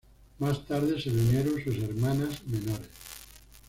Más tarde, se le unieron sus hermanas menores.